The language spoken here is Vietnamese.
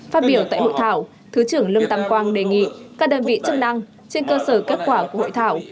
phát biểu tại hội thảo thứ trưởng lương tam quang đề nghị các đơn vị chức năng trên cơ sở kết quả của hội thảo